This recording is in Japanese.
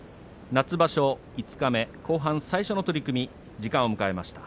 夏場所五日目後半、最初の取組時間を迎えました。